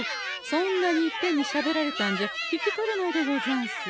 そんなにいっぺんにしゃべられたんじゃ聞き取れないでござんす。